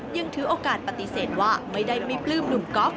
ยังถือโอกาสปฏิเสธว่าไม่ได้ไม่ปลื้มหนุ่มก๊อฟ